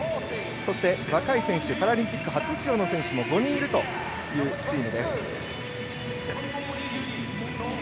そして若い選手パラリンピック初出場の選手も５人いるチームです。